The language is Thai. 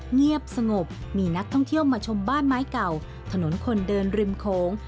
เงียบสงบมีนักท่องเที่ยวมาชมบ้านไม้เก่าถนนคนเดินริมโขง